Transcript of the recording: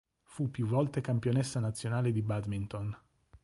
Fu più volte campionessa nazionale di badminton.